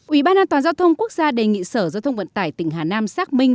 ủy ban an toàn giao thông quốc gia đề nghị sở giao thông vận tải tỉnh hà nam xác minh